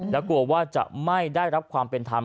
และกลัวว่าจะไม่ได้รับความเป็นธรรม